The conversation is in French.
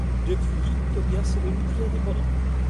Depuis, Tobias est devenu plus indépendant.